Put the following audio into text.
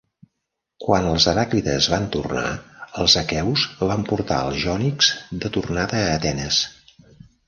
Quan els heràclides van tornar, els aqueus van portar els jònics de tornada a Atenes.